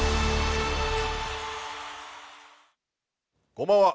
こんばんは。